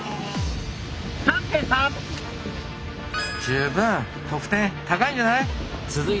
十分得点高いんじゃない？